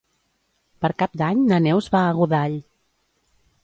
Per Cap d'Any na Neus va a Godall.